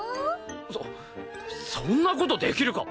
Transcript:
そそんな事できるか！